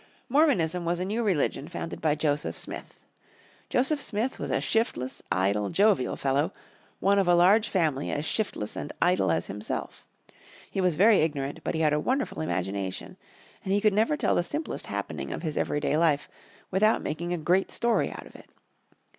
Mormonism was a new religion founded by Joseph Smith. Joseph Smith was a shiftless, idle, jovial fellow, one of a large family as shiftless and idle as himself. He was very ignorant, but he had a wonderful imagination, and he could never tell the simplest happening of his everyday life without making a great story out of it.